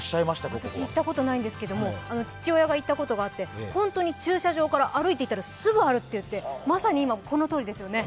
ここは私、行ったことないんですけど、父親が行ったことがあって本当に駐車場から歩いて行ったらすぐにあるといっていてまさに今、このとおりですよね。